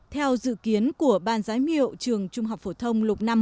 theo dự kiến của ban giái miệu trường trung học phổ thông lục năm một